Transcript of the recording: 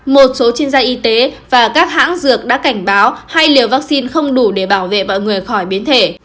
một số chuyên gia y tế và các hãng dược đã cảnh báo hai liều vaccine không đủ để bảo vệ mọi người khỏi biến thể